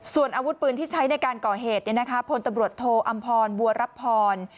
ส่วนอาวุธปืนที่ใช้ในการก่อเหตุพลตำรวจโทอำพรบัวรับพร